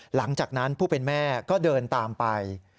หลังจากนั้นผู้เป็นแม่ก็เดินตามไป